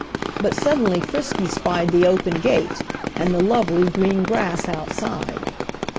But suddenly Frisky spied the open gate and the lovely green grass outside.